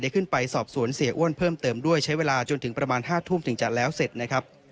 ขึ้นไปสอบสวนเสียอ้วนเพิ่มเติมด้วยใช้เวลาจนถึงประมาณ๕ทุ่มถึงจะแล้วเสร็จนะครับ